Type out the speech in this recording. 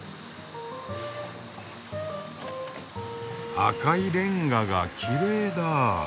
赤いレンガがきれいだ。